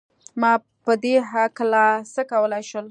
ما په دې هکله څه کولای شول؟